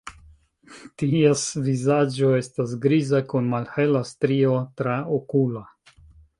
Ties vizaĝo estas griza kun malhela strio traokula.